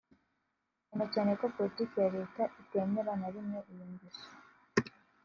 cyane cyane ko politiki ya Leta itemera na rimwe iyo ngeso